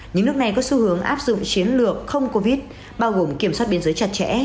những nước này có xu hướng áp dụng chiến lược không covid bao gồm kiểm soát biên giới chặt chẽ